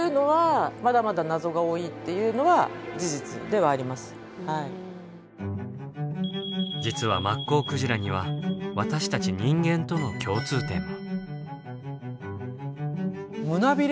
でも何でそんなに実はマッコウクジラには私たち人間との共通点も。